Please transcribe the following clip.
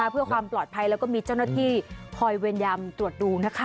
เพื่อความปลอดภัยแล้วก็มีเจ้าหน้าที่คอยเวรยามตรวจดูนะคะ